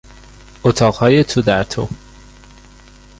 اتاقهای تودرتو